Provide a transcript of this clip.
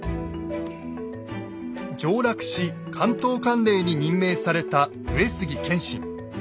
上洛し関東管領に任命された上杉謙信。